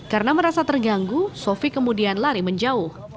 karena merasa terganggu sofi kemudian lari menjauh